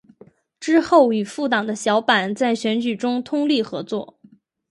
之后与复党的小坂在选举中通力合作。